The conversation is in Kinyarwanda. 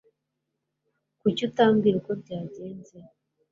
Kuki utambwira uko byagenze?